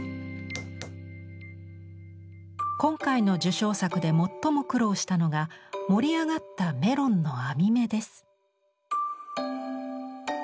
今回の受賞作で最も苦労したのが盛り上がったメロンの網目です。